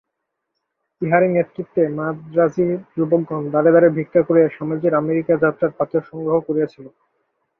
ইঁহারই নেতৃত্বে মান্দ্রাজী যুবকগণ দ্বারে দ্বারে ভিক্ষা করিয়া স্বামীজীর আমেরিকা-যাত্রার পাথেয় সংগ্রহ করিয়াছিল।